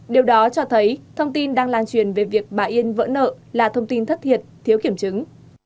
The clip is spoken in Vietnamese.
điều đó cho thấy thông tin đang lan truyền về việc bà yên vỡ nợ là thông tin thất thiệt thiếu kiểm chứng